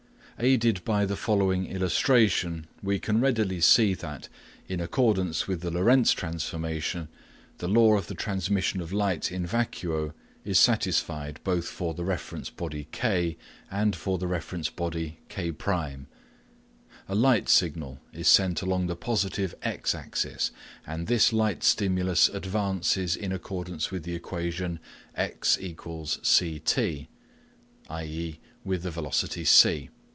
Aided by the following illustration, we can readily see that, in accordance with the Lorentz transformation, the law of the transmission of light in vacuo is satisfied both for the reference body K and for the reference body K1. A light signal is sent along the positive x axis, and this light stimulus advances in accordance with the equation x = ct, i.e. with the velocity c.